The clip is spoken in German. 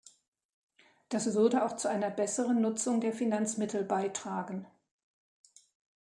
Das würde auch zu einer besseren Nutzung der Finanzmittel beitragen.